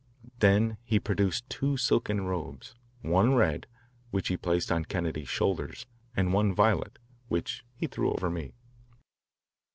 Then he produced two silken robes, one red, which he placed on Kennedy's shoulders, and one violet, which he threw over me.